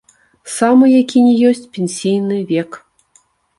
Самы які ні ёсць пенсійны век.